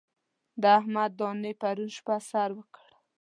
د احمد دانې پرون شپه سر وکړ.